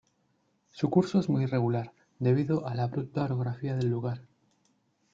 Su curso es muy irregular, debido a la abrupta orografía del lugar.